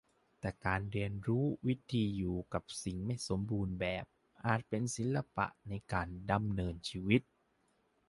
แต่การเรียนรู้วิธีอยู่กับสิ่งไม่สมบูรณ์แบบอาจเป็นศิลปะในการดำเนินชีวิต